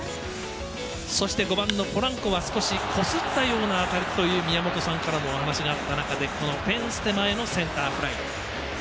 そして、５番のポランコは少しこすったような当たりという宮本さんからのお話があった中でフェンス手前のセンターフライ。